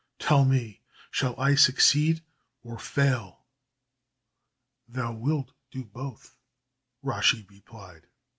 Tell me, shall I succeed, or fail?" "Thou wilt do both." Rashi replied.